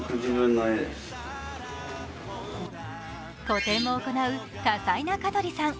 個展も行う多才な香取さん。